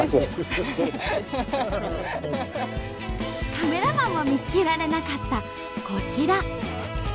カメラマンも見つけられなかったこちら。